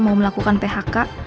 mau melakukan phk